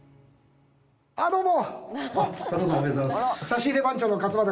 ああどうも！